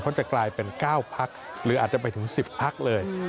เพราะจะกลายเป็น๙พักหรืออาจจะไปถึง๑๐พักเลย